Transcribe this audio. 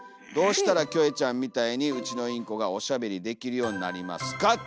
どうしたらキョエちゃんみたいにうちのインコがおしゃべりできるようになりますか」。